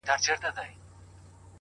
نه بابا خبر نه يم ستا په خيالورې لور